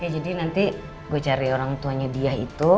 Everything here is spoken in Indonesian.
jadi nanti gue cari orang tuanya dia itu